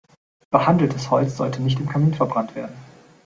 Behandeltes Holz sollte nicht im Kamin verbrannt werden.